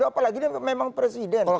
apalagi dia memang presiden